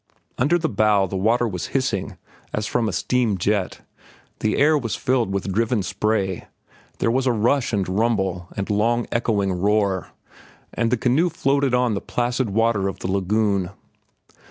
Under the bow the water was hissing as from a steam jet, the air was filled with driven spray, there was a rush and rumble and long echoing roar, and the canoe floated on the placid water of the lagoon.